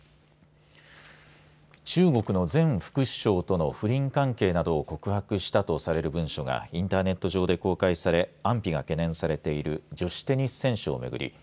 中国の前副首相との不倫関係などを告白したとされる文書がインターネット上で公開され安否が懸念されている女子テニス選手を巡り